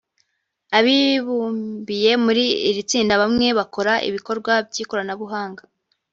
Abibumbiye muri iri tsinda bamwe bakora ibikorwa by’ikoranabuhanga